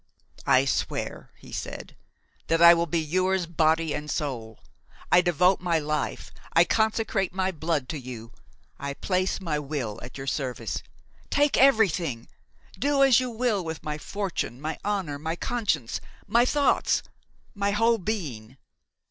"I swear," he said, "that I will be yours body and soul; I devote my life, I consecrate my blood to you, I place my will at your service; take everything, do as you will with my fortune, my honor, my conscience, my thoughts, my whole being."